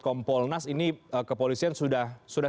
kompolnas ini kepolisian sudah